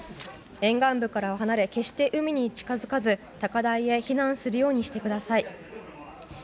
沿岸部からは離れ決して海に近づかず高台へ避難するようにしてください。